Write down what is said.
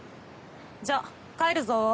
じゃあ帰るぞ。